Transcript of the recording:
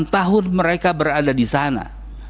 enam tahun mereka berada disana